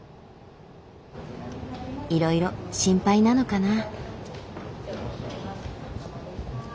いろいろ心配なのかな。